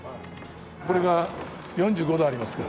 これが４５度ありますから。